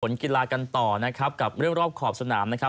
กีฬากันต่อนะครับกับเรื่องรอบขอบสนามนะครับ